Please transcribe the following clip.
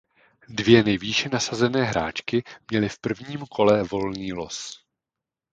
Dvě nejvýše nasazené hráčky měly v prvním kole volný los.